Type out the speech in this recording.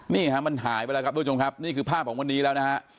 นี่ฮะมันหายไปแล้วครับทุกผู้ชมครับนี่คือภาพของวันนี้แล้วนะฮะ